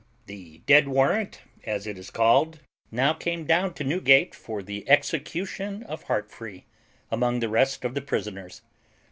The dead warrant, as it is called, now came down to Newgate for the execution of Heartfree among the rest of the prisoners.